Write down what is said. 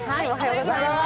おはようございます。